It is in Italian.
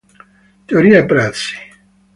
Teoria e prassi.